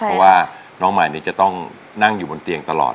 เพราะว่าน้องใหม่จะต้องนั่งอยู่บนเตียงตลอด